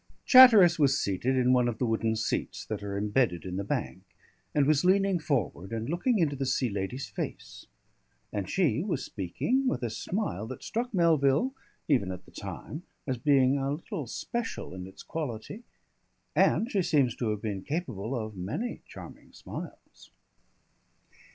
Chatteris was seated in one of the wooden seats that are embedded in the bank, and was leaning forward and looking into the Sea Lady's face; and she was speaking with a smile that struck Melville even at the time as being a little special in its quality and she seems to have been capable of many charming smiles.